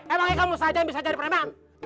emang kamu saja yang bisa jadi perempuan